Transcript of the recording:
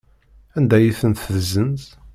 Anda ay tent-tessenz?